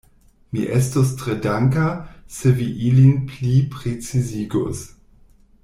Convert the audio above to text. Mi estus tre danka, se vi ilin pliprecizigus.